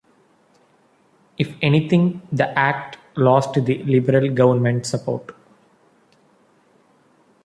If anything, the Act lost the Liberal government support.